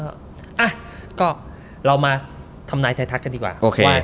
อะก็เรามาทำนายไทยทักกันดีกว่า